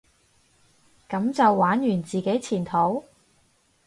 噉就玩完自己前途？